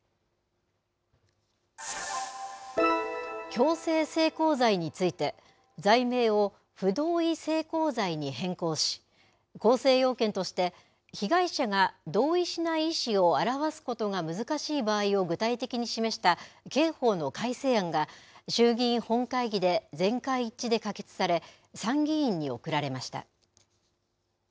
強制性交罪について、罪名を不同意性交罪に変更し、構成要件として、被害者が同意しない意思を表すことが難しい場合を具体的に示した刑法の改正案が、衆議院本会議で全会一致で可決され、参議院に送られました。